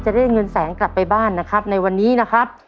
จะได้เงินแสนกลับไปบ้านนะครับในวันนี้นะครับ